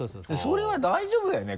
それは大丈夫だよね？